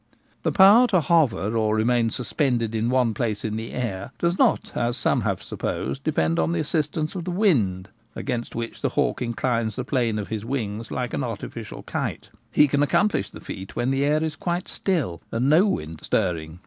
The power to hover or remain suspended in one place in the air does not, as some have supposed, depend upon the assistance of the wind, against which the hawk inclines the plane of his wings like an arti ficial kite. He can accomplish the feat when the air is quite still and no wind stirring.